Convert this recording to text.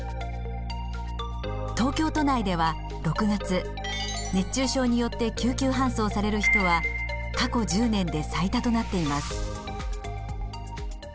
東京都内では６月熱中症によって救急搬送される人は過去１０年で最多となっています。